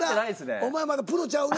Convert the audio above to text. お前まだプロちゃうな。